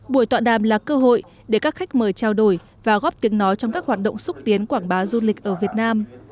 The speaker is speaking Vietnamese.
buổi tọa đàm là cơ hội để các khách mời trao đổi và góp tiếng nói trong các hoạt động xúc tiến quảng bá du lịch ở việt nam